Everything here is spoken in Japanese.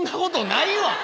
ないわ！